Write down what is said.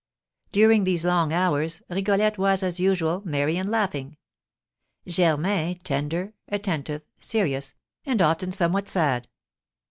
During these long hours Rigolette was, as usual, merry and laughing; Germain tender, attentive, serious, and often somewhat sad.